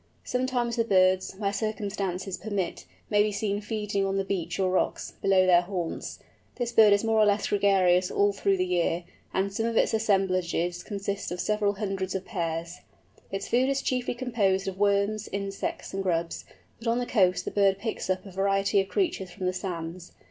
Sometimes the birds, where circumstances permit, may be seen feeding on the beach or rocks below their haunts. This bird is more or less gregarious all through the year, and some of its assemblages consist of several hundreds of pairs. Its food is chiefly composed of worms, insects, and grubs; but on the coast the bird picks up a variety of creatures from the sands.